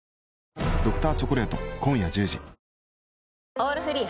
「オールフリー」